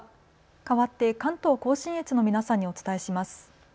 かわって関東甲信越の皆さんにお伝えします。